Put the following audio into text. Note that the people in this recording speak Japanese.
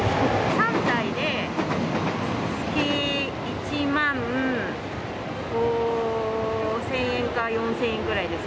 ３台で月１万５０００円か４０００円ぐらいです。